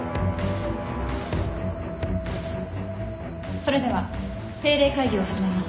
・それでは定例会議を始めます。